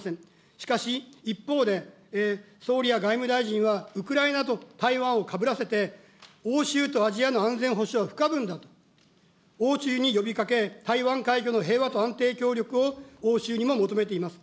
しかし、一方で総理や外務大臣は、ウクライナと対話をかぶらせて、欧州とアジアの安全保障は不可分だと、欧州に呼びかけ、台湾海峡の平和と安定協力を欧州にも求めています。